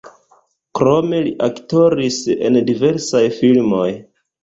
Krome li aktoris en diversaj filmoj.